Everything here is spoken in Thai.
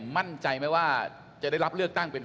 มั่นใจไหมว่าจะได้รับเลือกตั้งเป็น